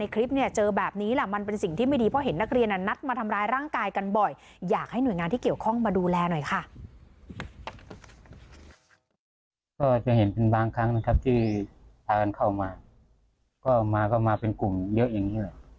ก็จะเห็นเป็นบางครั้งนะครับที่แอนเข้ามาก็มาก็มาเป็นกลุ่มเยอะอย่างนี้แหละ